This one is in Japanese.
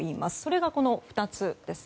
それが、この２つです。